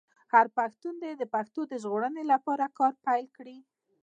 هر پښتون دې د پښتو د ژغورلو لپاره کار پیل کړي.